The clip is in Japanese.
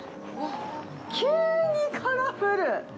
急にカラフル！